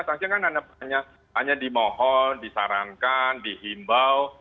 sanksi kan hanya dimohon disarankan dihimbau